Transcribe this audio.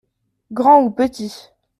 Grand ou petit.